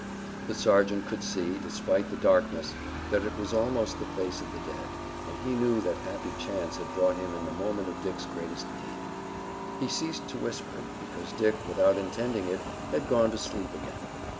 The sergeant could see, despite the darkness, that it was almost the face of the dead, and he knew that happy chance had brought him in the moment of Dick's greatest need. He ceased to whisper, because Dick, without intending it, had gone to sleep again.